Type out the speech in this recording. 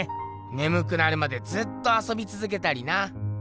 ねむくなるまでずっとあそびつづけたりな。